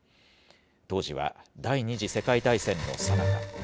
当時は、第２次世界大戦のさなか。